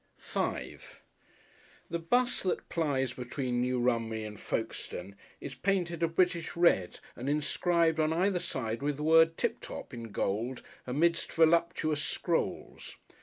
§5 The 'bus that plies between New Romney and Folkestone is painted a British red and inscribed on either side with the word "Tip top" in gold amidst voluptuous scrolls.